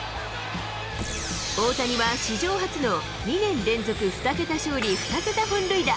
大谷は史上初の２年連続２桁勝利２桁本塁打。